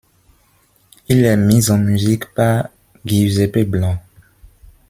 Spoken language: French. Il est mis en musique par Giuseppe Blanc.